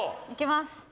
いけます。